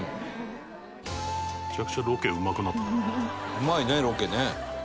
うまいねロケね。